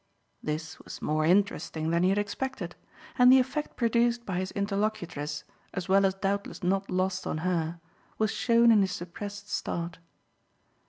This was more interesting than he had expected, and the effect produced by his interlocutress, as well as doubtless not lost on her, was shown in his suppressed start.